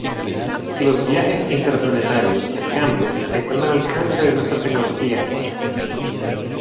Los viajes interplanetarios, en cambio, están al alcance de nuestra tecnología actual.